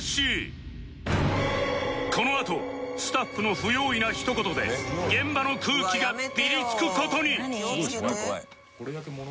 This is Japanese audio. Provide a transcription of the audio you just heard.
このあとスタッフの不用意なひと言で現場の空気がピリつく事に！